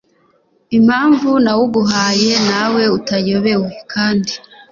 impamvu nawuguhaye nawe utayobewe kandi